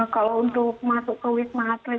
kalau untuk masuk ke wisma atlet